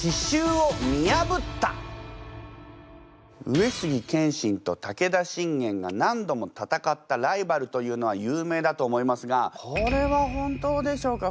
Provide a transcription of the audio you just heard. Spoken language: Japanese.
上杉謙信と武田信玄が何度も戦ったライバルというのは有名だと思いますがこれは本当でしょうか？